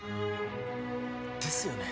ですよね。